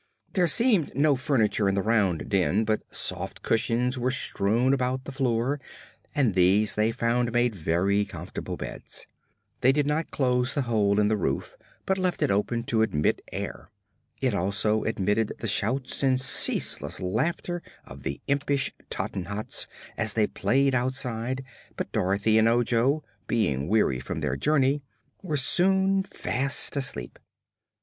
There seemed no furniture in the round den, but soft cushions were strewn about the floor and these they found made very comfortable beds. They did not close the hole in the roof but left it open to admit air. It also admitted the shouts and ceaseless laughter of the impish Tottenhots as they played outside, but Dorothy and Ojo, being weary from their journey, were soon fast asleep.